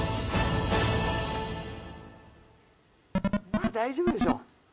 まあ大丈夫でしょ。